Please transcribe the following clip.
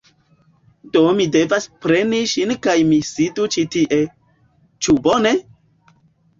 Do mi devas preni ŝin kaj ni sidu ĉi tie. Ĉu bone?